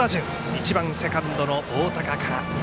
１番セカンドの大高から。